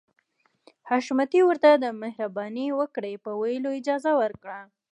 حشمتي ورته د مهرباني وکړئ په ويلو اجازه ورکړه.